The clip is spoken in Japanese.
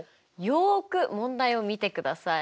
よく問題を見てください。